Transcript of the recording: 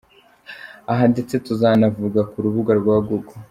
Aha ndetse tuzanavuga ku rubuga rwa Google.